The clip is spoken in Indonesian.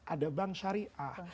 ada bank syariah